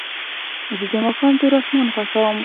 زه د ماښام تور اسمان خوښوم.